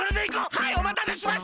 はいおまたせしました！